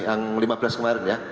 yang lima belas kemarin ya